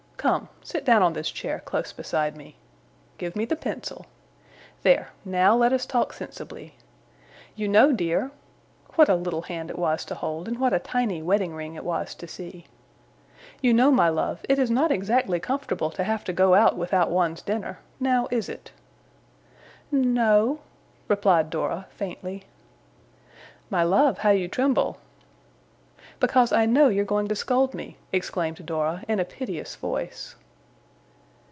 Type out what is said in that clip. Come! Sit down on this chair, close beside me! Give me the pencil! There! Now let us talk sensibly. You know, dear'; what a little hand it was to hold, and what a tiny wedding ring it was to see! 'You know, my love, it is not exactly comfortable to have to go out without one's dinner. Now, is it?' 'N n no!' replied Dora, faintly. 'My love, how you tremble!' 'Because I KNOW you're going to scold me,' exclaimed Dora, in a piteous voice.